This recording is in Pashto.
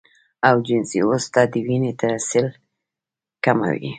او جنسي عضو ته د وينې ترسيل کموي